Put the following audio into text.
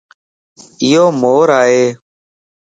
ايو مور ائي